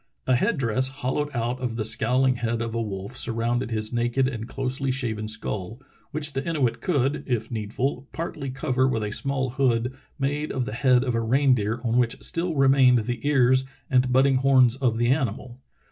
A head dress hollowed out of the scowling head of a wolf surrounded his naked and closely shaven skull, which the Inuit could, if needful, partly cover with a small hood made of the head of a reindeer on which still remained the ears and budding horns of the animal."